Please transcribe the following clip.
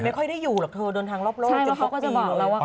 ไม่ค่อยได้อยู่หรอกเธอเดินทางรอบจน๖ปีเลย